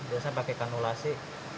biasanya pakai kanulasi